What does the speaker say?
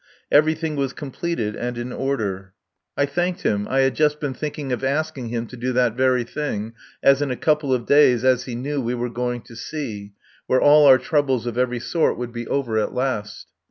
Everything was completed and in order. I thanked him; I had just been thinking of asking him to do that very thing, as in a couple of days, as he knew, we were going to sea, where all our troubles of every sort would be over at last.